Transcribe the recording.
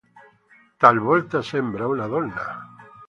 Talvolta sembra una donna".